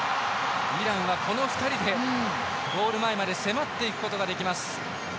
イランはこの２人で、ゴール前まで迫っていくことができます。